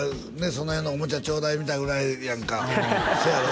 その辺のおもちゃちょうだいみたいなぐらいやんかせやろ？